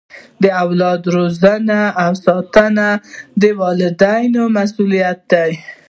د اولاد روزنه او ساتنه د والدینو مسؤلیت دی.